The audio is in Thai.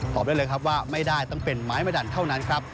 ได้เลยครับว่าไม่ได้ต้องเป็นไม้มะดันเท่านั้นครับ